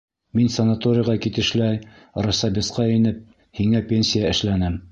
Мин санаторийға китешләй райсобесҡа инеп һиңә пенсия эшләнем.